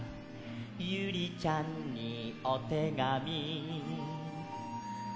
「ユリちゃんにおてがみ」